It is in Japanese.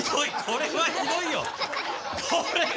これはひどいよ！